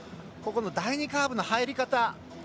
ここの第２カーブの入り方。